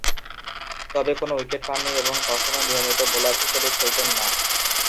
তবে কোন উইকেট পাননি ও কখনো নিয়মিত বোলার হিসেবে খেলতেন না।